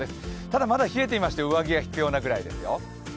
ただまだ冷えていまして上着が必要なくらいですよ。